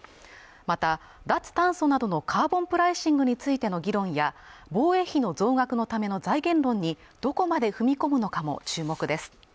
また脱炭素などのカーボンプライシングについての議論や防衛費の増額のための財源論にどこまで踏み込むのかも注目です